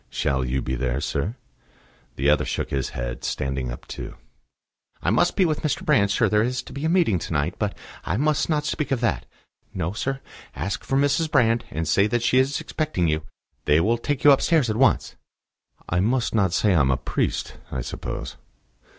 "Shall you be there, sir?" The other shook his head, standing up too. "I must be with Mr. Brand, sir; there is to be a meeting to night; but I must not speak of that.... No, sir; ask for Mrs. Brand, and say that she is expecting you. They will take you upstairs at once." "I must not say I am a priest, I suppose?"